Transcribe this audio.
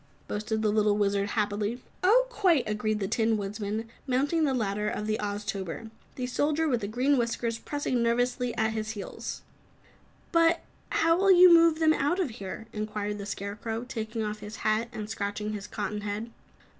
boasted the little Wizard, happily. "Oh, quite!" agreed the Tin Woodman, mounting the ladder of the Oztober, the Soldier with Green Whiskers pressing nervously at his heels. "But how will you move them out of here?" inquired the Scarecrow, taking off his hat and scratching his cotton head.